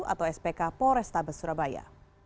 atau spk polresta besurabaya